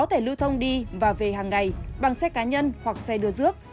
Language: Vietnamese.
sẽ lưu thông đi và về hàng ngày bằng xe cá nhân hoặc xe đưa dước